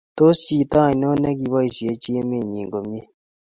tos chito anonon ne kiboisiechi emet nyin komye?